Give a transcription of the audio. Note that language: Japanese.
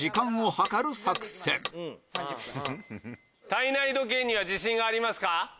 体内時計には自信ありますか？